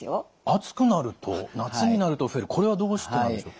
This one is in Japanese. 暑くなると夏になると増えるこれはどうしてなんでしょう？